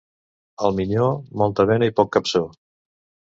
Al minyó, molta bena i poc capçó.